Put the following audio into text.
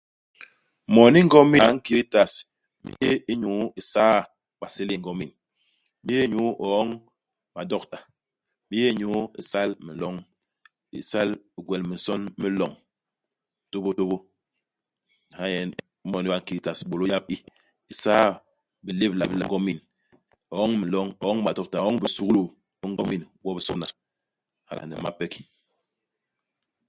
Moni ngomin a nkit i tas, mi yé inyu isaa basélél ngomin. Mi yé inyu ioñ madokta. Mi yé inyu isal minloñ. Isal igwel minson mi loñ, tôbôtôbô. Ha nyen imoni ba nkit tas, bôlô yap i. Isaa bilébla bi ngomin, ioñ minloñ, ioñ madokta, ioñ bisuglu bi ngomin gwobisôna. Hala, ni mape ki.